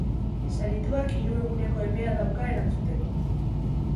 Sarituak hiru eguneko epea dauka erantzuteko.